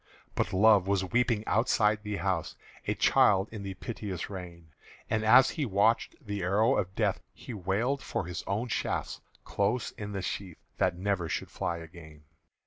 But Love was weeping outside the house, A child in the piteous rain; And as he watched the arrow of Death, He wailed for his own shafts close in the sheath That never should fly again.